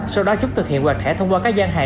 sau đó chúng thực hiện hoạt thẻ thông qua các gian hại